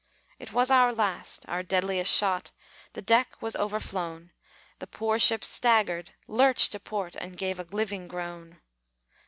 It was our last, our deadliest shot; The deck was overflown; The poor ship staggered, lurched to port, And gave a living groan.